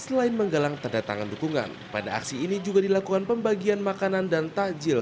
selain menggalang tanda tangan dukungan pada aksi ini juga dilakukan pembagian makanan dan takjil